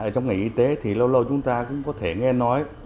trong ngành y tế thì lâu lâu chúng ta cũng có thể nghe nói